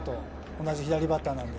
同じ左バッターなので。